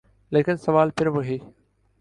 لیکن سوال پھر وہی۔